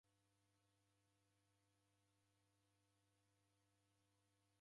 Kwaki kuseserie na ija imu?